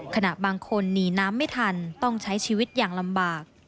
ขณะบางคนหนีน้ำไม่ทันต้องใช้ชีวิตอย่างลำบาก